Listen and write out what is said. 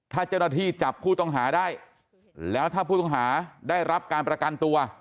ถ้าเจ้าหน้าที่จับผู้ต้องหาได้แล้วถ้าผู้ต้องหาได้รับการประกันตัว